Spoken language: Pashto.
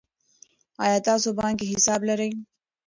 آیا تاسو بانکي حساب لرئ.